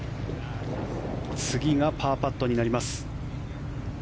次がパーパットになります。